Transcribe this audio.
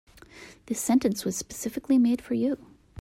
This sentence was specifically made for you.